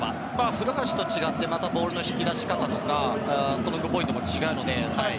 古橋と違ってまたボールの引き出し方とかストロングポイントも違うので更に